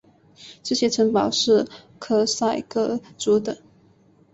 这些城堡是克塞格族的。